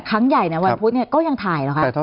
ทั้งใหญ่วันพุธก็ยังถ่ายเหรอคะ